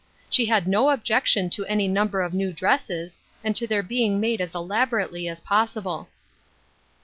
She had no objec tion to any number of new dresses, and to their being made as elaborately as possible.